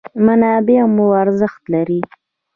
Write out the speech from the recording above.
منابع مو ارزښت لري.